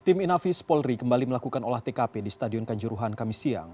tim inafis polri kembali melakukan olah tkp di stadion kanjuruhan kami siang